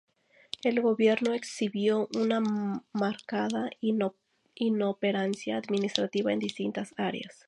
El gobierno exhibió una marcada inoperancia administrativa en distintas áreas.